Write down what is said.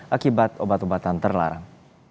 akibat obat obatan terlarang